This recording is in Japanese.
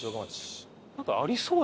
なんかありそう。